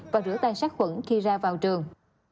và rửa tay sát khuẩn khi ra vào trường